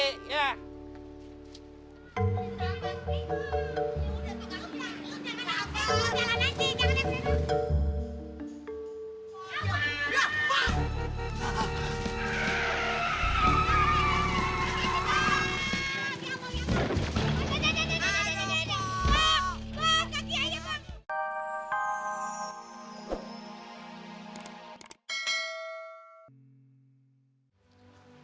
pak pak kaki ayam bangun